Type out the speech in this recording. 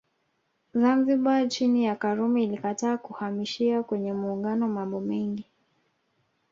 Zanzibar chini ya Karume ilikataa kuhamishia kwenye Muungano mambo mengi